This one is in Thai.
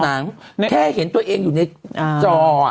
เพราะงานมันแค่เห็นตัวเองอยู่ในจอ